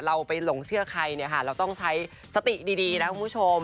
เราไปหลงเชื่อใครเนี่ยค่ะเราต้องใช้สติดีนะคุณผู้ชม